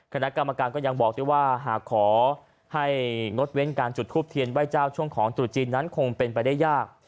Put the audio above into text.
คณะกรรมการก็ยังบอกด้วยว่าหากขอให้งดเว้นการจุดทูปเทียนไหว้เจ้าช่วงของตรุษจีนนั้นคงเป็นไปได้ยาก